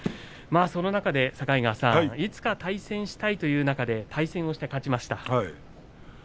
その中で境川さんいつか対戦したいという中で対戦をして勝ちました。